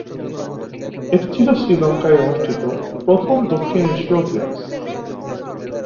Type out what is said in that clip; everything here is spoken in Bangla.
এটি ছিল শ্রীলঙ্কায় অনুষ্ঠিত প্রথম দক্ষিণ এশীয় গেমস।